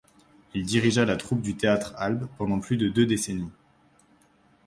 Il dirigea la troupe du Théâtre Halb pendant plus de deux décennies.